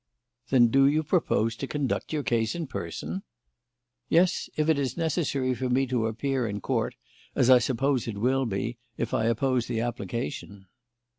"Then do you propose to conduct your case in person?" "Yes; if it is necessary for me to appear in Court, as I suppose it will be, if I oppose the application."